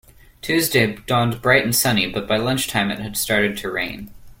Tuesday dawned bright and sunny, but by lunchtime it had started to rain